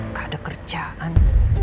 gak ada kerjaan